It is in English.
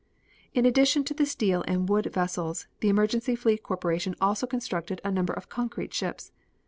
In addition to the steel and wood vessels the Emergency Fleet Corporation also constructed a number of concrete ships.